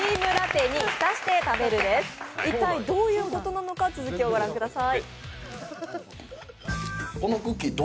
一体どういうことなのか続きを御覧ください。